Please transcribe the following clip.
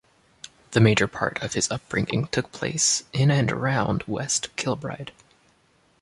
The major part of his upbringing took place in and around West Kilbride.